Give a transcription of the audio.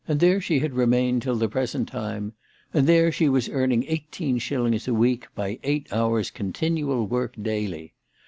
there she had remained till the present time, and there she was earning eighteen shillings a week by eight hours' continual work daily.